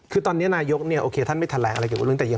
คือตอนนี้นายกโอเคท่านไม่แถลงอะไรเกี่ยวกับเรื่องนี้